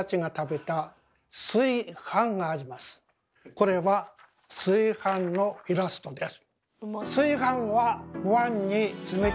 これは水飯のイラストです。